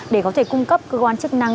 để có thể cung cấp cơ quan chức năng